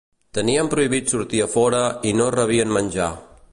Tenien prohibit sortir a fora i no rebien menjar.